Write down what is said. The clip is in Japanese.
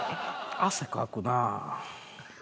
汗かくなぁ。